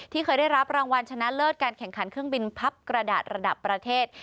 เคยได้รับรางวัลชนะเลิศการแข่งขันเครื่องบินพับกระดาษระดับประเทศ